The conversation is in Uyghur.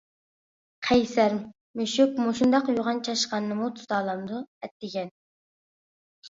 قەيسەر:-مۈشۈك شۇنداق يوغان چاشقاننىمۇ تۇتالامدۇ؟ ئەتىگەن.